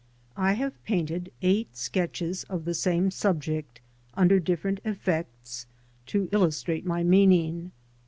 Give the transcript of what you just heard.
I have painted eight sketches of the same subject under different effects to illustrate my meaning.